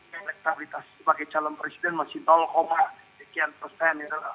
elektabilitas sebagai calon presiden masih sekian persen